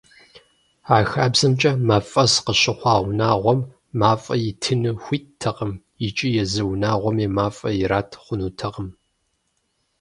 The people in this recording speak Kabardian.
А хабзэмкӏэ, мафӏэс къыщыхъуа унагъуэм мафӏэ итыну хуиттэкъым, икӏи езы унагъуэми мафӏэ ират хъунутэкъым.